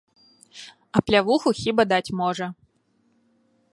Аплявуху хіба даць можа!